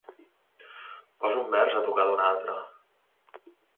Posa un vers a tocar d'un altre.